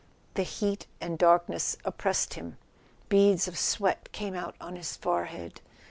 The heat and darkness oppressed him; beads of sweat came out on his forehead.